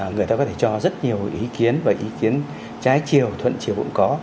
người ta có thể cho rất nhiều ý kiến và ý kiến trái chiều thuận chiều cũng có